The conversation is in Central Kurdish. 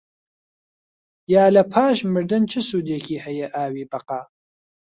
یا لە پاش مردن چ سوودێکی هەیە ئاوی بەقا؟